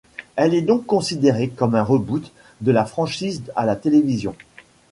Elle est donc considérée comme un reboot de la franchise à la télévision.